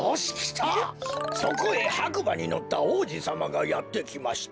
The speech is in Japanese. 「そこへはくばにのったおうじさまがやってきました。